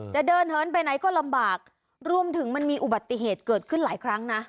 จะเดินเหินไปไหนก็ลำบากรวมถึงมันมีอุบัติเหตุเกิดขึ้นหลายครั้งนะ